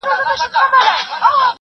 زه اجازه لرم چي لاس پرېولم